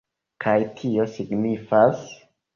Kaj tio signifas